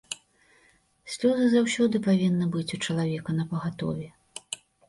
Слёзы заўсёды павінны быць у чалавека напагатове.